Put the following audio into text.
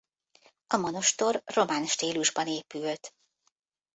A monostor román stílusban épült.